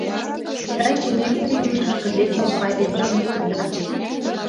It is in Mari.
Таче ме у илышышке лекме пайремнам ыштена.